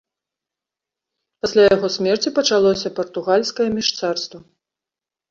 Пасля яго смерці пачалося партугальскае міжцарства.